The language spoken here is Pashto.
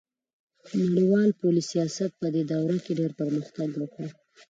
نړیوال پولي سیاست پدې دوره کې ډیر پرمختګ وکړ